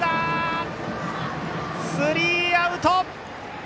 スリーアウト！